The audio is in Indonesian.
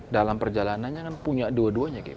dalam perjalanannya kan punya dua duanya